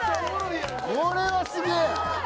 これはすげぇ！